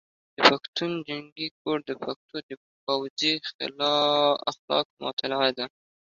د پښتون جنګي کوډ د پښتنو د پوځي اخلاقو مطالعه ده.